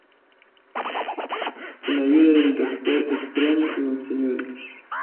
Con la ayuda del Doctor Extraño y Mr.